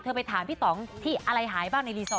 ไปถามพี่ต่องที่อะไรหายบ้างในรีสอร์ท